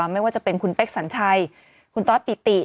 ไม่ว่าจะเป็นคุณเป๊กสัญชัยคุณตอสปิติ